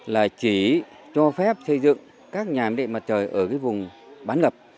là chỉ cho phép xây dựng các nhà máy địa mặt trời ở cái vùng bán gập